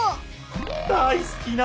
大すきな